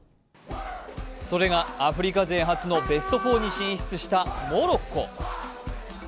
それがアフリカ勢初のベスト４に進出したモロッコ。